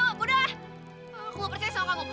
aku mau percaya sama kamu